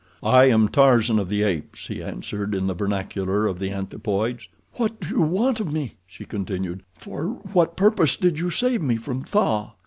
"I am Tarzan of the Apes," he answered in the vernacular of the anthropoids. "What do you want of me?" she continued. "For what purpose did you save me from Tha?"